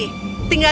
dimana mereka tinggal